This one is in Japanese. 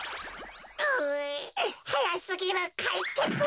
うはやすぎるかいけつ。